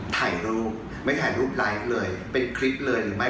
ถ่ายรูปไม่ถ่ายรูปไลฟ์เลยเป็นคลิปเลยหรือไม่